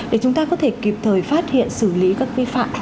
để chúng ta có thể kịp thời phát hiện xử lý các vi phạm